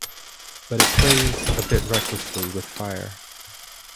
But it plays a bit recklessly with fire.